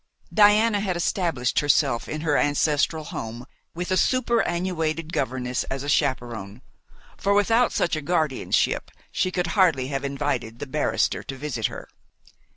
Diana had established herself in her ancestral home with a superannuated governess as a chaperon, for without such a guardianship she could hardly have invited the barrister to visit her.